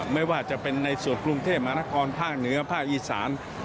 ไม่ว่าจะเป็นในส่วนกรุงเทพมหานครภาคเหนือภาคอีสาน